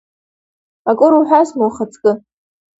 Акыр уҳәазма, ухаҵкы?